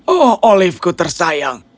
oh olive ku tersayang